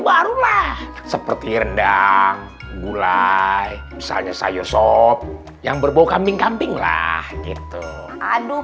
barulah seperti rendang gulai misalnya sayur sop yang berbau kambing kambing lah gitu aduk